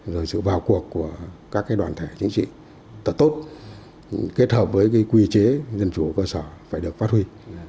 rồi sự vào cuộc của các đoàn thể chính trị thật tốt kết hợp với quy chế dân chủ cơ sở phải được phát huy